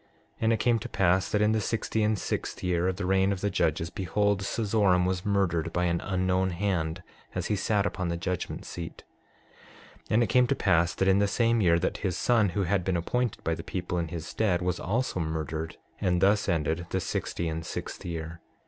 6:15 And it came to pass that in the sixty and sixth year of the reign of the judges, behold, Cezoram was murdered by an unknown hand as he sat upon the judgment seat. And it came to pass that in the same year, that his son, who had been appointed by the people in his stead, was also murdered. And thus ended the sixty and sixth year.